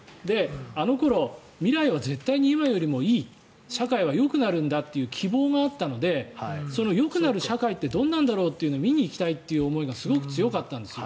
あの頃、未来は絶対に今よりもいい社会はよくなるんだっていう希望があったのでよくなる社会ってどんなんだろうって見に行きたいという思いがすごく強かったんです。